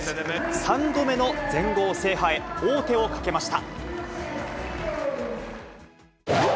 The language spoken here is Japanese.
３度目の全豪制覇へ、王手をかけました。